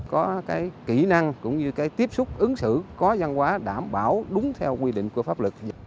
có kỹ năng tiếp xúc ứng xử có gian hóa đảm bảo đúng theo quy định của pháp lực